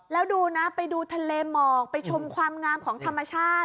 แล้วดูนะไปดูทะเลหมอกไปชมความงามของธรรมชาติ